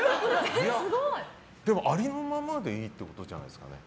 でも、ありのままでいいってことじゃないですかね。